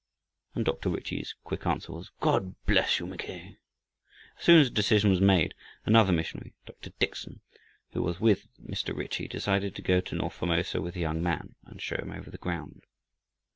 And Dr. Ritchie's quick answer was: "God bless you, Mackay." As soon as the decision was made, another missionary, Dr. Dickson, who was with Mr. Ritchie, decided to go to north Formosa with the young man, and show him over the ground.